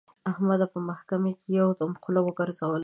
احمد په محکمه کې یو دم خوله وګرځوله.